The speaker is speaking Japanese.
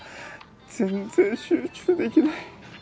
全然集中できない。